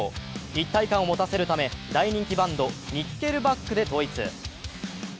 一体感を持たせるため大人気バンドニッケルバックで統一。